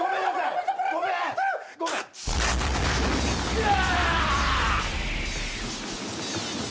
うわ！